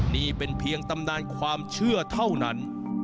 นี่เป็นเพียงตำนานความเชื่อเท่านั้น